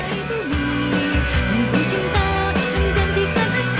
tentu cinta menjanjikan aku